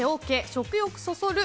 食欲そそる！